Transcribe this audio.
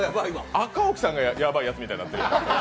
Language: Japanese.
赤荻さんがやばいやつみたいになっとるやん。